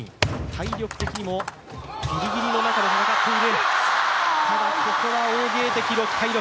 体力的にもギリギリの中で戦っている。